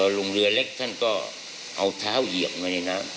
ลุงเรือเล็กท่านก็เอาเท้าเหยียบไว้ในน้ำ